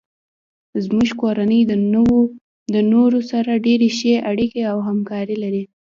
زمونږ کورنۍ د نورو سره ډیرې ښې اړیکې او همکاري لري